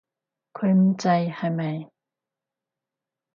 佢唔制，係咪？